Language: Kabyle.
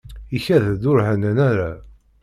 Ikad-d ur hennan ara.